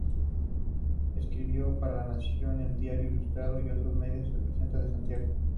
Escribió para La Nación, El Diario Ilustrado y otros medios de prensa de Santiago.